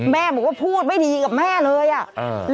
แม่บอกว่าพูดไม่ดีกับแม่เลยอ่ะ